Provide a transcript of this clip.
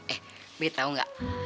eh bu tau nggak